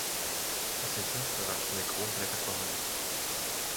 Es sind fünf verwachsene Kronblätter vorhanden.